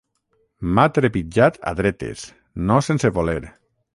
M'ha trepitjat a dretes, no sense voler!